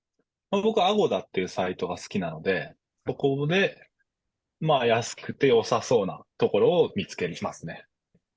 僕、アゴダっていうサイトが好きなので、そこで安くてよさそうなところを見つけますね。